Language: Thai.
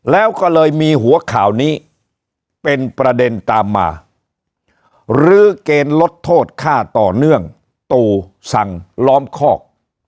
แล้วก็เลยมีหัวข่าวนี้เป็นประเด็นตามมารื้อเกณฑ์ลดโทษค่าต่อเนื่องตู่สั่งล้อมคอก